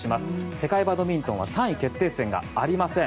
世界バドミントンは３位決定戦がありません。